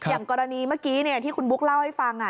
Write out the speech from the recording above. อย่างกรณีเมื่อกี้ที่คุณบุ๊คเล่าให้ฟัง